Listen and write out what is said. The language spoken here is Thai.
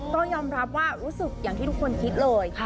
ก็ยอมรับว่ารู้สึกอย่างที่ทุกคนคิดเลย